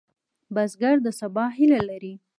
بزګر د سبا هیله لري